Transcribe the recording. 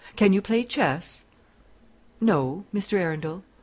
Can you play chess?" "No, Mr. Arundel."